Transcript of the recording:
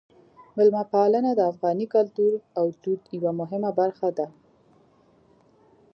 میلمه پالنه د افغاني کلتور او دود یوه مهمه برخه ده.